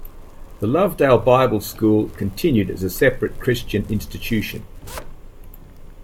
The Lovedale Bible School continued as a separate Christian institution.